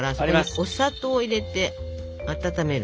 お砂糖を入れて温める。